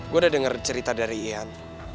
gue udah denger cerita dari ian